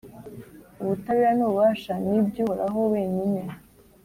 «ubutabera n’ububasha ni iby’uhoraho wenyine.»